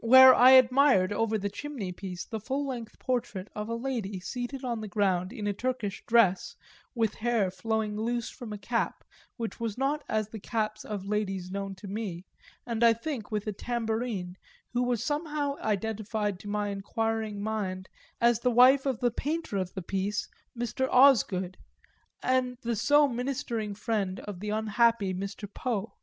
where I admired over the chimney piece the full length portrait of a lady seated on the ground in a Turkish dress, with hair flowing loose from a cap which was not as the caps of ladies known to me, and I think with a tambourine, who was somehow identified to my enquiring mind as the wife of the painter of the piece, Mr. Osgood, and the so ministering friend of the unhappy Mr. Poe.